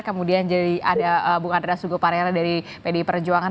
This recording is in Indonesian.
kemudian jadi ada bung andra sugoparela dari pdi perjuangan